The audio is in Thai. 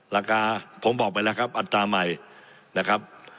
ราคาผมบอกไปแล้วครับอัตราใหม่นะครับ